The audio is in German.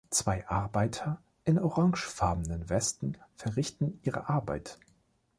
Zwei Arbeiter in orangefarbenen Westen verrichten ihre Arbeit.